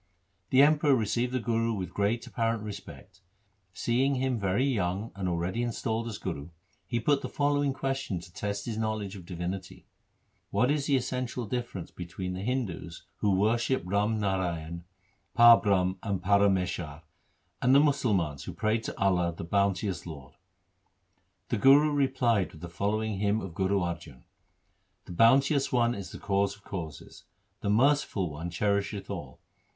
The Emperor received the Guru with great apparent respect. Seeing him very young and already installed as Guru, he put him the following question to test his knowledge of divinity :—' What is the essential difference between the Hindus who worship Ram Narayan, Parbrahm, and Para meshar, and the Musalmans who pray to Allah, the bounteous Lord ?' The Guru replied with the following hymn of Guru Arjan :— The Bounteous One is the Cause of causes ; The Merciful One cherisheth all.